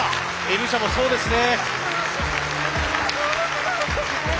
Ｎ社もそうですね。